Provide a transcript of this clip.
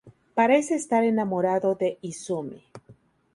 Parece estar enamorado de Izumi.